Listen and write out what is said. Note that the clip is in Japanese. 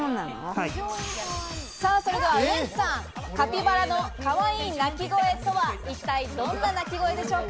それではウエンツさん、カピバラのかわいい鳴き声とは一体どんな鳴き声でしょうか？